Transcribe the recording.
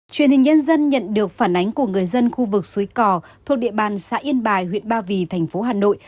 truyền hình nhân dân nhận được phản ánh của người dân khu vực suối cò thuộc địa bàn xã yên bài huyện ba vì thành phố hà nội